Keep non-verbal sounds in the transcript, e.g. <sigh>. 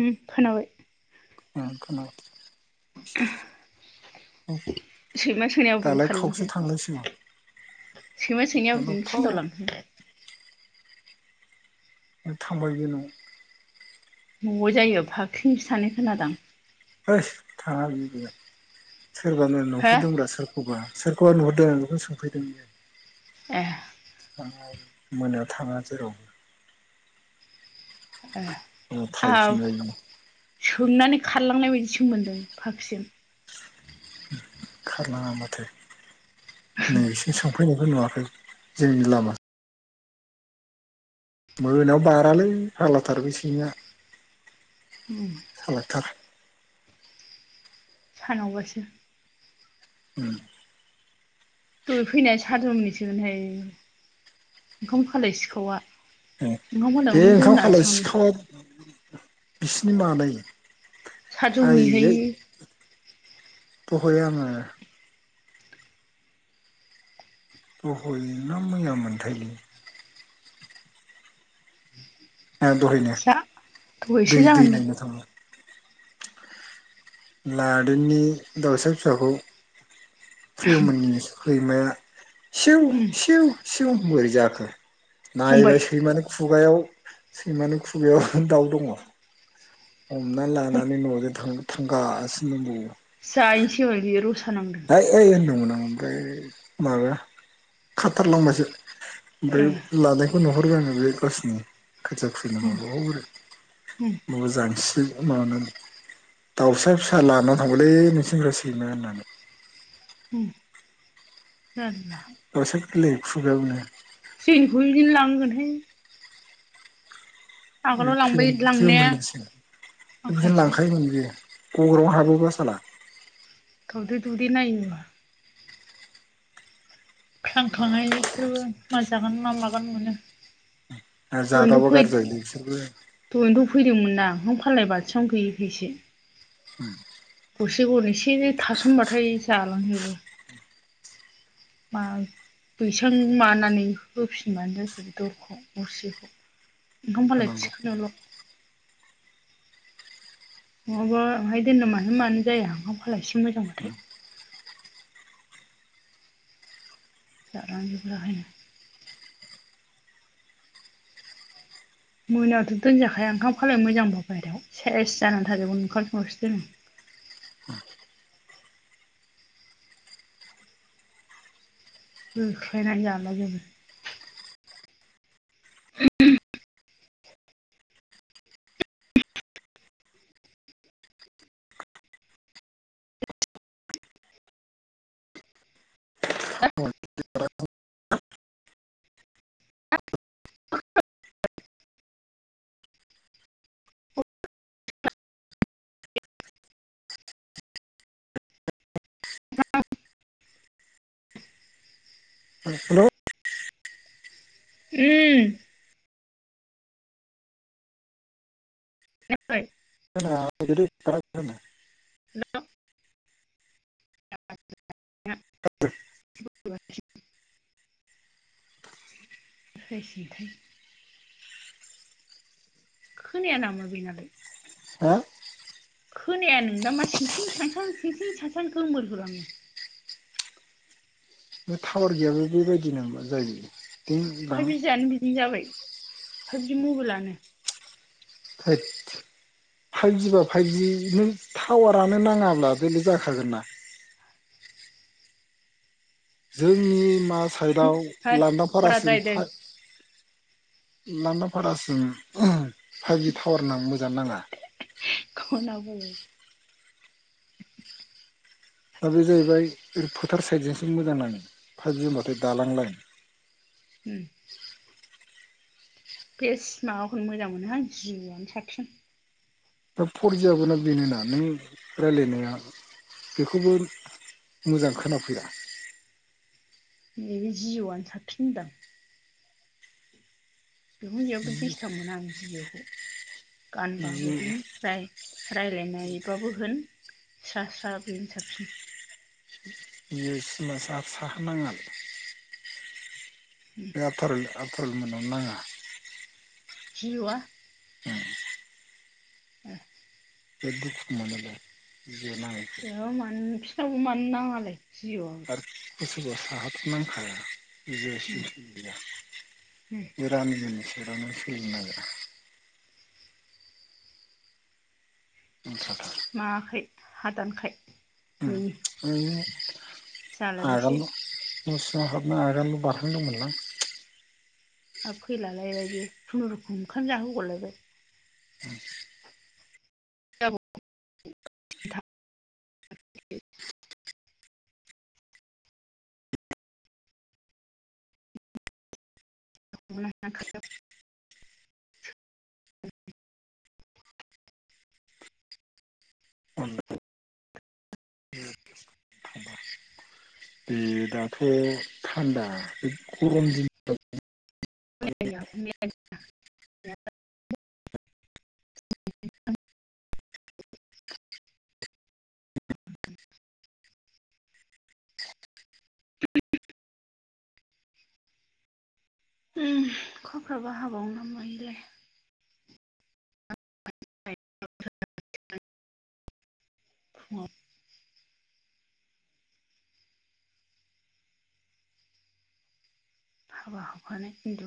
उ खोनाबाय ओ खोनाबाय <unintelligible> <inaudible> सैमा सोंनाया अबिथिं दालाय खावसे खारलांखो थांलायसिगौ सैमा सैनायाब अबिथिं फाव सुनदावलांखो थांबाय बे न'आव न'आव जायो फाख्रिनि फिसानि खोनादां है थाङा बि गोया सोरबाानो हो न'फोर दंब्रा सोरखौबा सोरा बेखौ नुहरदों आं बेखौनो सोंफैदों ए। मोनायाव थाङा जेरावबो आ थाहैफिनबाय बियो सोमनानै खारलांनाय बायदिसो मोन्दों फाखिजों खारनाङा माथो नै बिसि संफैनायखौ नुवाै जोंनि लामा मोनायाव बारालै फाल्लाथार बेै सिङयाक उम हालांकि थार सानावबासो उम बिसेगोनहाय ओंखाम खाल सिखावा ओंखाम बे खालायखौनो ओंखाम खालाय दोनासै आं सिखाव बिसिनि मालायो साजौनिहाय फबै आङो। गहया मैया मोनथायल दहायनो जा दै दहायसो दै जागोनदां नायनो थाङो लादेननि दाउसा फिसाखौ प्रियममोननिस खैमाया सिव उम सिव सिव बोरै जाखो हमबाय नायबाय सैमानो खुगायाव सैमानि खुगायाव दाउ दङ हमना हम लानानै न'जों थ थांगासिनो दंबावो जाहैसिगोन बियो रस ओइ ओइ होनदोंमोन आं ओमफ्राय माबा खाथारलांबायसो ए ओमफ्राय लानायखौ नहरगोन आ न बे कसनि खोथिया खुुलिनो उम माब उम ब बाबा जांसिग माबानानै दाउसा फिसा ला थांबायलै नोंसनिग्रा सैमा होननानै उम उम गसोर गोरलै खुगाबनो जोंनिखौदिनो लांगोनहाय बे आगोलाव लांबाय फ्रियम लांनाया होननोसै बिदिनो माखासे लांखायोमोन बेयो। गग्राव हाबोबा साला थौदै दौदै नाया ख्रांखांनायसोरबो मा जागोन ना मागोन मोनो। आरो <unintelligible> जादाबा गाज्रि जायोलै बिसोरबो फैदोंमोनदां नों फालाय बाथिनो गैयै फैसो <inaudible> गरसे गन इसे थासनबाथाय जालांजोबो मा बैसां मानानै होफिनबानो जासै दरखौ अरसेखौ ओमख होनोमबालाय होनांगौ थिखोनोल' नङाबा बहाय दोननो मानो मानो जाया ओंखाम खालाय एसे मोजांबाथाय <inaudible> मोनायावथ' दोनजाखाया ओंखाम खाल मोजांबा बाहेरायाव सेस जानानै थाजोबगोनन ओंखार सावसो दोनो। औ। बेखायनानै जला जोबो <inaudible> <inaudible> <inaudible> <unintelligible> <inaudible> उम। <unintelligible> <unintelligible> हेलौ। <unintelligible> <unintelligible> <unintelligible> <unintelligible> खोनाया नामा बेनालाय। हा। खोनाया नों दा मा सिं सिं सानसां सिंं सानस्रां गोमोरग आङो। बे टावार गैयाबा बेबायदि नो जायो। दिं दां फाइभजियानो बिदिनो जाबाय फाइभजि मबाइलानो धोद। फाइभजि बा फाइभजि नों टावारानो नाङाब्ला बेलाय जाखागोन ना। जोंनि मा साइडआव है लदा फारासिम खराद्रायदों लान्दा फारासिम फाइभजि टावार न मोजां नाङा। औ। दा बे जाहैबाय ओरै फोथार साइडजोंसो मोजां नाङो फाइब जोमबाथाय दालां लाइन उम। बेस्माबाखौनो मोजां मोनोहां जिअआनो साबसिन। दा फरजियाबोना बेनोना नों रायलायनाया बेखौबो मोजां खोनाफैया नैब जिउआनो साबसिन होनदों। बेखौ जयावबो दिस्थाब मोना आं जिअखौ। गानबाबो जिअ होन राइ राय्लायनायबाबो होन। स्रा स्रा बेनो साबसिन। जिअ सिमा साह साहा नाङा। बे आबथरेल आबथरेल मोननाव नो नाङा। जिउआ। <inaudible> <inaudible> बे दुख मोनानलै। बे मानो फिनावबो मोनानो नाङालाय जिउआव। <inaudible> बिनो जिअ'आबो सोलिनो नागिरा। नांखाथार नाङाखै हादानखाय। आ। जालायबोसे न' सिङाव हाबनो आगानल' बारहांदोंमोन लां। आरो फैलालायलाय बे खुनुरुखुम ओंखाम जाहोहरलायबाय। <inaudible> <unintelligible> <inaudible> बे दाथ' थान्दा बे गरम दिन <unintelligible> <unintelligible> <inaudible> उ अखफ्राबा हाबावो न मोनायोलाय। <inaudible> फुंआव हाबा हबाखानाय खिथु।